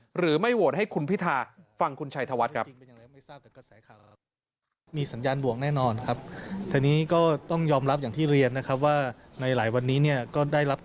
หรือไม่โหวตให้คุณพิธาฟังคุณชัยธวัตรครับ